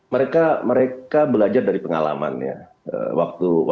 mereka belajar dari pengalamannya